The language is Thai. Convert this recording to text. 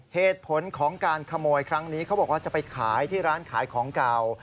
เหตุผลของการขโมยครั้งนี้เขาบอกว่าจะไปขายที่ร้านขายของเก่า